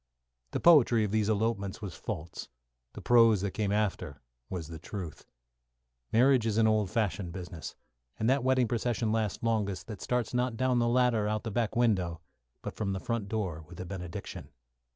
The poetry of these elopements was false, the prose that came after was the truth. Marriage is an old fashioned business, and that wedding procession lasts longest that starts not down the ladder out of the back window, but from the front door with a benediction.